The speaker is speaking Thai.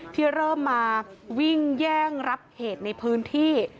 ที่เริ่มมาวิ่งแย่งรับเหตุในพื้นที่